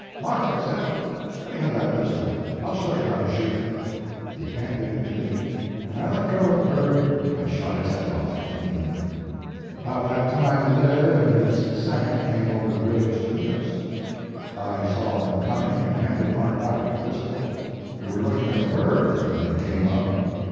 "Mark," I said, "let me have that pistol. I'll show you how to shoot." He handed it to me, and I let go at the bird and shot its head off, clean. About that time Laird and his second came over the ridge to meet us. I saw them coming and handed Mark back the pistol. We were looking at the bird when they came up.